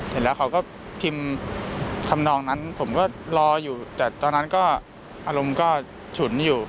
เห็นแล้วเขาก็พิมพ์ทำนองนั้นผมก็รออยู่แต่ตอนนั้นก็อารมณ์ก็ฉุนอยู่